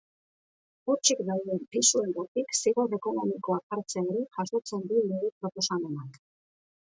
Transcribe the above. Hutsik dauden pisuengatik zigor ekonomikoak jartzea ere jasotzen du lege-proposamenak.